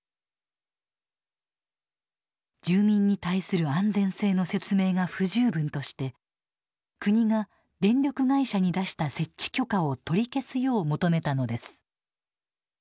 住民に対する安全性の説明が不十分として国が電力会社に出した設置許可を取り消すよう求めたのです。